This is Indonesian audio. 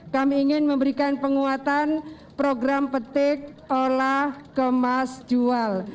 kami ingin memberikan penguatan program petik olah kemas jual